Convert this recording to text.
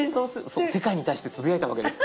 世界に対してつぶやいたわけです。